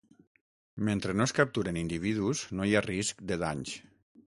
Mentre no es capturen individus, no hi ha risc de danys.